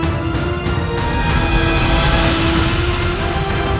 kau akan menang